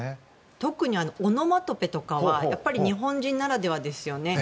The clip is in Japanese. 特にオノマトペとかはやっぱり日本人ならではですよね。